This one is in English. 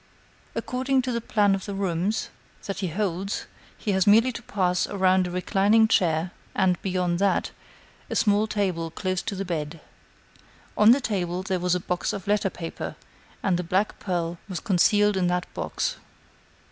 According to the plan of the rooms, that he holds, he has merely to pass around a reclining chair and, beyond that, a small table close to the bed. On the table, there was a box of letter paper, and the black pearl was concealed in that box.